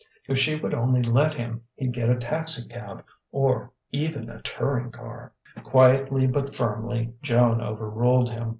If she would only let him, he'd get a taxicab or even a touring car. Quietly but firmly Joan overruled him.